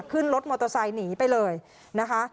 ขึ้นรถมอเตอร์ไซค์หนีไปเลยนะคะ